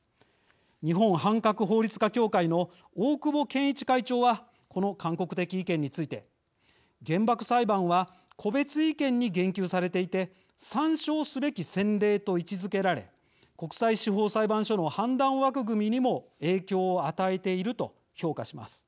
日本反核法律家協会の大久保賢一会長はこの勧告的意見について原爆裁判は個別意見に言及されていて参照すべき先例と位置づけられ国際司法裁判所の判断枠組みにも影響を与えていると評価します。